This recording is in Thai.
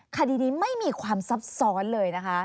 คดีนี้ไม่มีความซับซ้อนเลยนะคะ